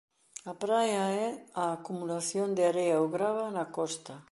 A praia é a acumulación de area ou grava na costa.